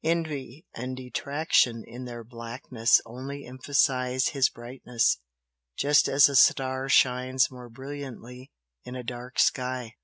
"Envy and detraction in their blackness only emphasise his brightness, just as a star shines more brilliantly in a dark sky.